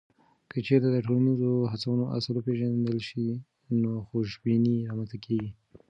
که چیرته د ټولنیزو هڅونو اصل وپېژندل سي، نو خوشبیني رامنځته کیږي.